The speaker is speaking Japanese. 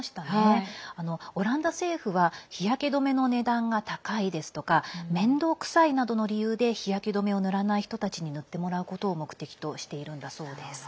オランダ政府は日焼け止めの値段が高いですとか面倒くさいなどの理由で日焼け止めを塗らない人たちに塗ってもらうことを目的としているんだそうです。